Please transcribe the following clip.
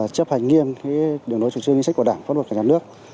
chấp hành nghiêm đường đối chủ trương yên sách của đảng phát bộ cả nhà nước